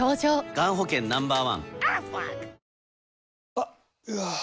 あっ、うわー。